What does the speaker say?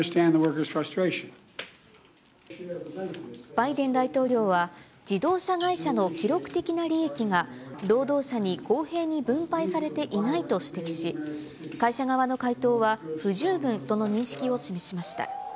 バイデン大統領は、自動車会社の記録的な利益が、労働者に公平に分配されていないと指摘し、会社側の回答は不十分との認識を示しました。